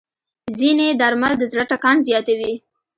ځینې درمل د زړه ټکان زیاتوي.